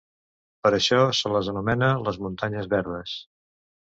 Per això se les anomena les muntanyes "verdes".